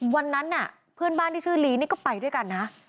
วันนั้นเพื่อนบ้านที่ชื่อลีนี่ก็ไปด้วยกันนะ